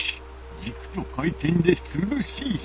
じくと回転ですずしい。